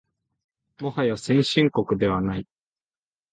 もはや先進国ではない